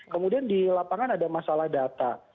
kemudian di lapangan ada masalah data